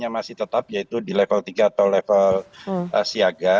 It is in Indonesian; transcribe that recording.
masih tetap yaitu di level tiga atau level siaga